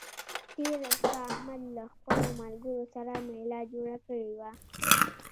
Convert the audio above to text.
تېره شپه احمد له خپلو ملګرو سره مېله جوړه کړې وه.